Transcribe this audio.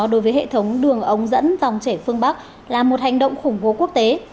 đối với hệ thống đường ống dẫn dòng chảy phương bắc là một hành động khủng bố quốc tế